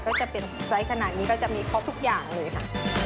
ก็จะเป็นไซส์ขนาดนี้ก็จะมีครบทุกอย่างเลยค่ะ